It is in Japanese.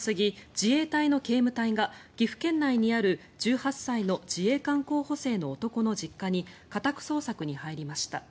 自衛隊の警務隊が岐阜県内にある１８歳の自衛官候補生の男の実家に家宅捜索に入りました。